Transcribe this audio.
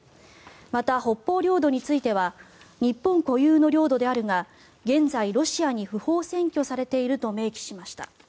また、北方領土については日本固有の領土であるが現在、ロシアに不法占拠されていると明記しました。